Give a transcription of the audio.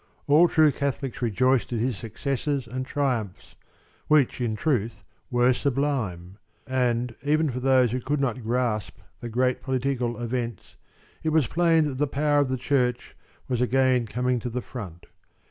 All true Catholics rejoiced at his successes and triumphs, which in truth were sublime. And, even for those who could not grasp the great political events, it was plain that the power of the Church was again coming to the front.